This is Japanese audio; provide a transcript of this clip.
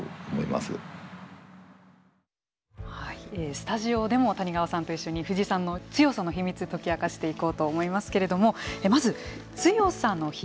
スタジオでも谷川さんと一緒に藤井さんの強さの秘密解き明かしていこうと思いますけれどもまず強さの秘密